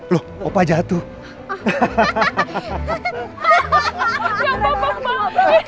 loh opa jatuh